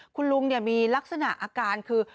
คุณลุงมีลักษณะอาการคือ